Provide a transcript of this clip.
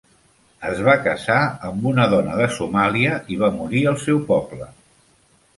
Es va casar amb una dona de Somàlia i va morir al seu poble.